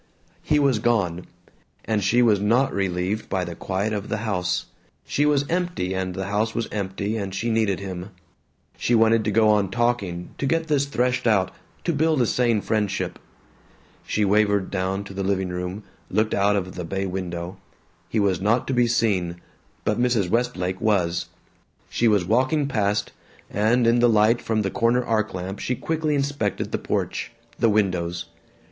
He was gone. And she was not relieved by the quiet of the house. She was empty and the house was empty and she needed him. She wanted to go on talking, to get this threshed out, to build a sane friendship. She wavered down to the living room, looked out of the bay window. He was not to be seen. But Mrs. Westlake was. She was walking past, and in the light from the corner arc lamp she quickly inspected the porch, the windows.